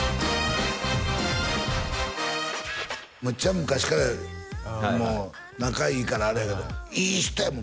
めっちゃ昔から仲いいからあれやけどいい人やもん